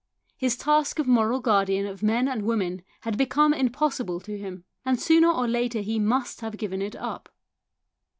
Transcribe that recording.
His task of moral guardian of men and women had become impossible to him, and sooner or later he must have given it up.